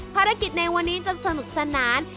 ภารกิจในวันนี้จะสนุกสนาน